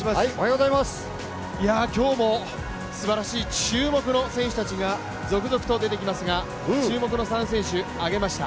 今日もすばらしい注目の選手たちが続々出てきますが、注目の３選手挙げました